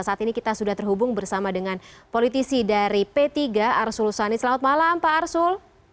saat ini kita sudah terhubung bersama dengan politisi dari p tiga arsul sani selamat malam pak arsul